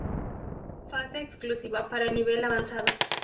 Fase exclusiva para el nivel avanzado.